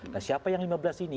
nah siapa yang lima belas ini